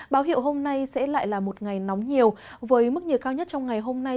báo hiệu hôm nay sẽ lại là một ngày nóng nhiều với mức nhiệt cao nhất trong ngày hôm nay